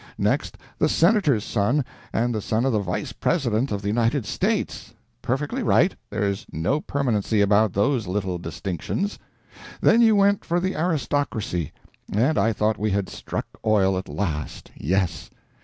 Next the Senator's son and the son of the Vice President of the United States perfectly right, there's no permanency about those little distinctions. Then you went for the aristocracy; and I thought we had struck oil at last yes.